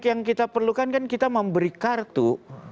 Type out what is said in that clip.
yang kita perlukan kan kita memberi kartu